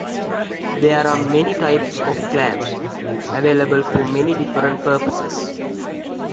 There are many types of clamps available for many different purposes.